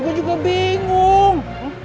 gue juga bingung